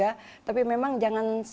maka dulu saya ingin mengucapkan evan baru